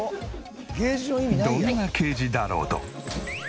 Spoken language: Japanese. どんなケージだろうと。